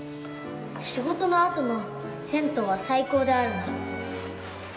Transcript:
仕事のあとの銭湯は最高であるな。